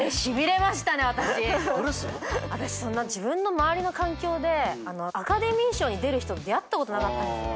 私そんな自分の周りの環境でアカデミー賞に出る人と出会ったことなかったんです。